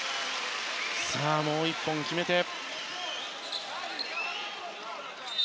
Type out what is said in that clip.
もう１本決めたい。